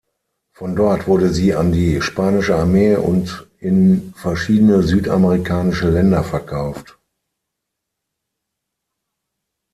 Von dort wurde sie an die spanische Armee und in verschiedene südamerikanische Länder verkauft.